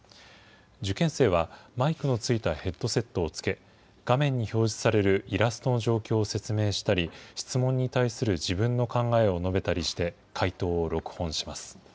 受験生はマイクの付いたヘッドセットをつけ、画面に表示されるイラストの状況を説明したり、質問に対する自分の考えを述べたりして解答を録音します。